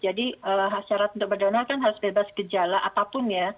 jadi syarat untuk berdonal kan harus bebas gejala apapun ya